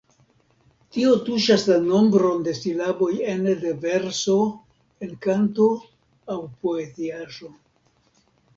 Tio tuŝas la nombron de silaboj ene de verso en kanto aŭ poeziaĵo.